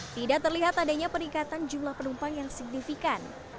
tidak terlihat adanya peningkatan jumlah penumpang yang signifikan